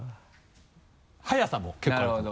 速さも結構あると思う。